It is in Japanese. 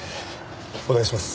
お願いします。